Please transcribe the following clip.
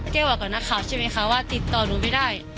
บอกกับนักข่าวใช่ไหมคะว่าติดต่อหนูไม่ได้